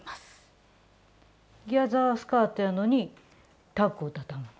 ギャザースカートやのにタックをたたむの？